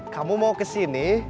kamu mau kesini